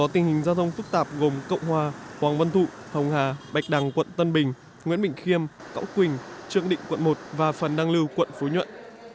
tình hình giao thông phức tạp gồm cộng hòa hoàng vân thụ hồng hà bạch đằng quận tân bình nguyễn bình khiêm cõng quỳnh trương định quận một và phần đăng lưu quận phú nhuận